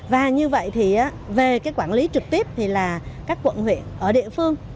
và như vậy thì về cái quản lý trực tiếp thì là các quận huyện ở địa phương